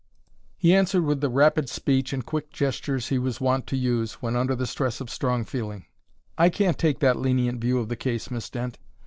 He answered with the rapid speech and quick gestures he was wont to use when under the stress of strong feeling. "I can't take that lenient view of the case, Miss Dent.